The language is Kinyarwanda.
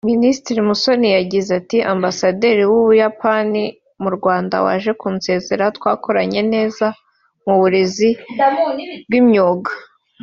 Minisitiri Musoni yagize ati “Ambasaderi w’u Buyapani mu Rwanda waje kunsezera twakoranye neza mu burezi bw’imyuga